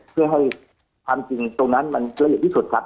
เพื่อให้ความจริงตรงนั้นมันละเอียดที่สุดครับ